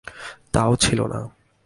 তাও ছিল না।